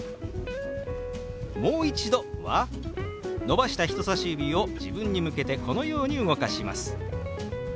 「もう一度」は伸ばした人さし指を自分に向けてこのように動かします。